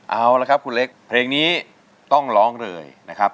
เอาละครับคุณเล็กเพลงนี้ต้องร้องเลยนะครับ